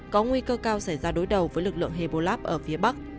có nguy cơ cao xảy ra đối đầu với lực lượng hebolab ở phía bắc